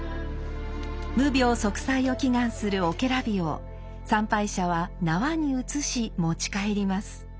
無病息災を祈願するをけら火を参拝者は縄に移し持ち帰ります。